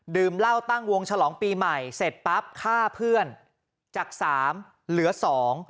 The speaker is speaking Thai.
เหล้าตั้งวงฉลองปีใหม่เสร็จปั๊บฆ่าเพื่อนจากสามเหลือสอง